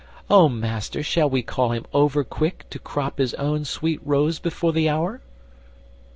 O Master, shall we call him overquick To crop his own sweet rose before the hour?"